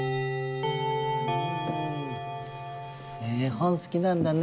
本すきなんだね。